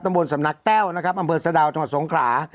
ตำบลสำนักแต้วนะครับอำเวิร์ดสะดาวจังหวัดสงขรา